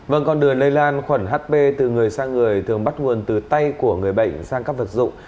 vâng con đường lây lan khuẩn hp từ người sang người thường bắt nguồn từ tay của người bệnh sang các vật dụng